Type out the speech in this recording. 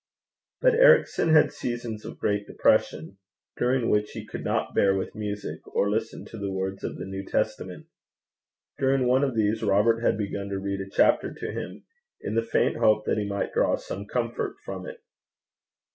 But Ericson had seasons of great depression, during which he could not away with music, or listen to the words of the New Testament. During one of these Robert had begun to read a chapter to him, in the faint hope that he might draw some comfort from it.